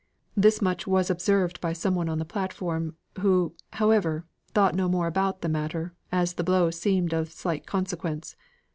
This much was observed by some one on the platform, who, however, thought no more about the matter, as the blow seemed of slight consequence.